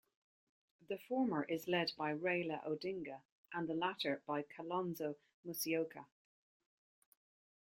The former is led by Raila Odinga and the latter by Kalonzo Musyoka.